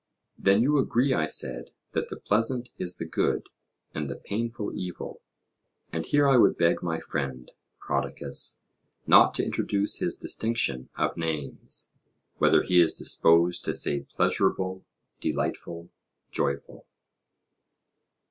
Then you agree, I said, that the pleasant is the good, and the painful evil. And here I would beg my friend Prodicus not to introduce his distinction of names, whether he is disposed to say pleasurable, delightful, joyful.